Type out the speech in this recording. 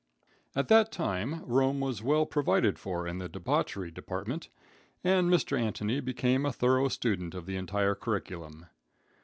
At that time Rome was well provided for in the debauchery department, and Mr. Antony became a thorough student of the entire curriculum.